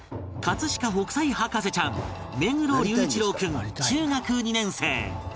飾北斎博士ちゃん目黒龍一郎君中学２年生